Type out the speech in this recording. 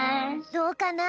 どうかな？